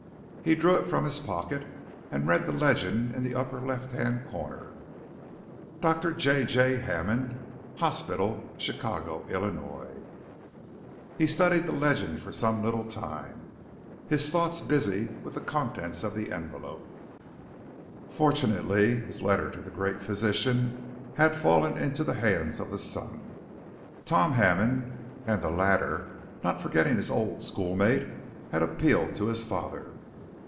He drew it from his pocket and read the legend in the upper left hand corner: "Dr. J. J. Hammond, Hospital, Chicago, Ill." He studied the legend for some little time, his thoughts busy with the contents of the envelope. Fortunately, his letter to the great physician had fallen into the hands of the son, Tom Hammond, and the latter, not forgetting his old schoolmate, had appealed to his father.